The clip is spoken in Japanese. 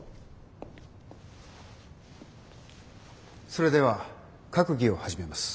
それでは閣議を始めます。